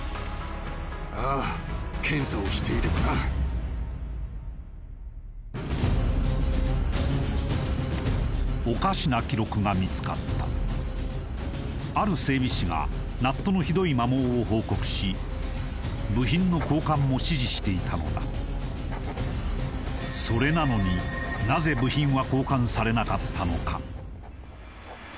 ああ検査をしていればなおかしな記録が見つかったある整備士がナットのひどい摩耗を報告し部品の交換も指示していたのだそれなのになぜなんだ？